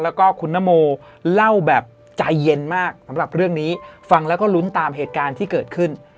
แล้วก็คุณนโมเล่าแบบใจเย็นมากสำหรับเรื่องนี้ฟังแล้วก็ลุ้นตามเหตุการณ์ที่เกิดขึ้น